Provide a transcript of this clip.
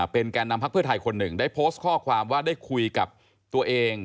เป็นแก่นนำพักเพื่อไทยคนหนึ่งได้โพสต์ข้อความว่าได้คุยกับตัวเอง